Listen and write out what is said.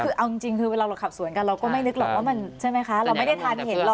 เอาจริงคือกลับสวนกันเราก็ไม่นึกออกใช่ไหมคะเราก็ไม่ได้ทานเหตุหรอก